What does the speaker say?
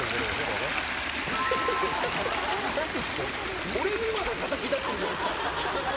ないでしょ、俺にまでたたき出してるじゃないですか。